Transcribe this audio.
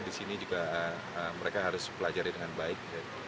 di sini juga mereka harus pelajari dengan baik